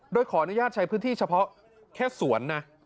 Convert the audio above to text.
โดยขออนุญาตใช้พื้นที่เฉพาะแค่สวนนะ